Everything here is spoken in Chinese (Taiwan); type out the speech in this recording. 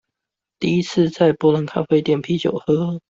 第一次在伯朗咖啡點啤酒喝